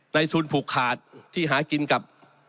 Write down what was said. ในทุนผูกขาดที่หากินกับ